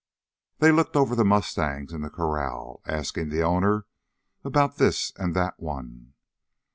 They looked over the mustangs in the corral, asking the owner about this and that one.